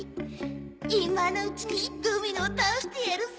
今のうちにドミノを倒してやるぜ。